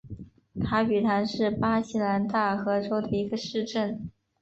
卡皮唐是巴西南大河州的一个市镇。